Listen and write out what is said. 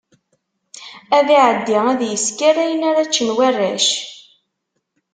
Ad iɛeddi ad isker ayen ara ččen warrac.